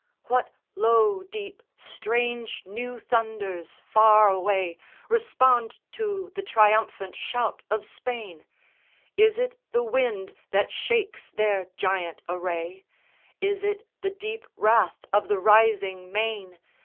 What low deep strange new thunders far away Respond to the triumphant shout of Spain? Is it the wind that shakes their giant array? Is it the deep wrath of the rising main?